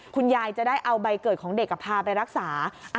คุณยายจะได้เอาใบเกิดของเด็กพาไปรักษา